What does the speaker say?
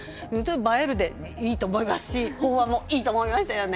映えるでいいと思いますし法話もいいと思いましたよね。